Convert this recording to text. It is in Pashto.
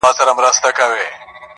د پریان لوري، د هرات او ګندارا لوري.